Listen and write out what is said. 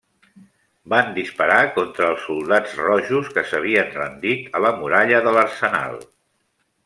Van disparar contra els soldats rojos que s'havien rendit a la muralla de l'Arsenal.